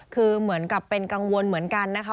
คือเหมือนกับเป็นกังวลเหมือนกันนะคะ